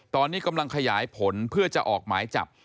ตอนนี้กำลังขยายผลเพื่อจะออกหมายจับ